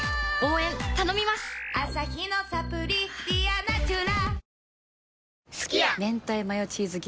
アサヒのサプリ「ディアナチュラ」